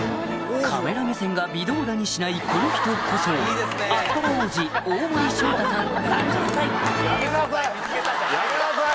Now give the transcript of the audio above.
カメラ目線が微動だにしないこの人こそアスパラ王子やめなさい！